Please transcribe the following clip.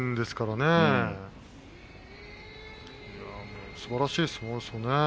すばらしい相撲ですよね。